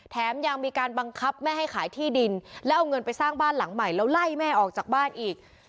แถมยังมีการบังคับแม่ให้ขายที่ดินแล้วเอาเงินไปสร้างบ้านหลังใหม่แล้วไล่แม่ออกจากบ้านอีก